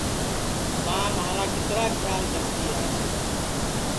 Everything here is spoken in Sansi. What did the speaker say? ماں مھارا کِترا کھیال کرتی ہے